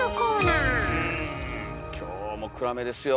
今日も暗めですよ